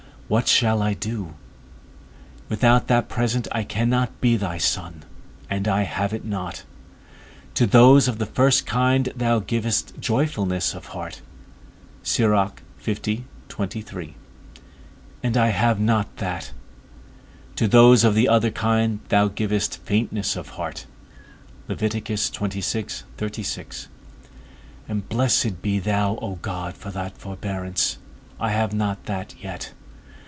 What shall I do? Without that present I cannot be thy son, and I have it not. To those of the first kind thou givest joyfulness of heart, and I have not that; to those of the other kind thou givest faintness of heart; and blessed be thou, O God, for that forbearance, I have not that yet.